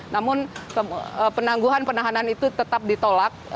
namun penangguhan penahanan itu tetap ditolak